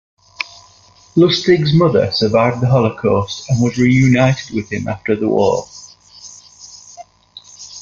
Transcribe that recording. Lustig's mother survived the Holocaust and was reunited with him after the war.